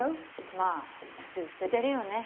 まあ普通捨ててるよね